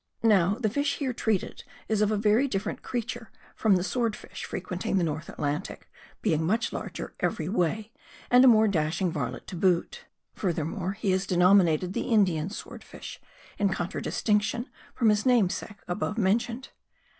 Now, the fish here treated of is a very different creature *. from the Sword fish frequenting the Northern Atlantic ; being much larger every way, and a more dashing varlet to boot. Furthermore, he is denominated the Indian Sword fish, in contradistinction from his namesake above mentioned.